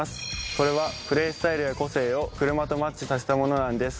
これはプレースタイルや個性を車とマッチさせたものなんです。